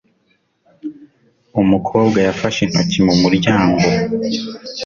Umukobwa yafashe intoki mu muryango.